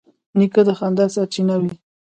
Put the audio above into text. نیکه د خندا سرچینه وي.